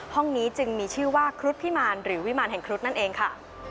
ห้องนี้จึงมีชื่อว่าครุฑพิมารหรือวิมารแห่งครุฑนั่นเองค่ะ